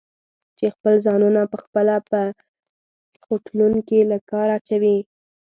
چې خپل ځانونه پخپله په خوټلون کې له کاره اچوي؟